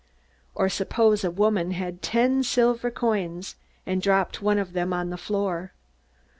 "Or suppose a woman had ten silver coins, and dropped one of them on the floor.